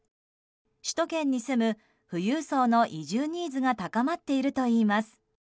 首都圏に住む富裕層の移住ニーズが高まっているといいます。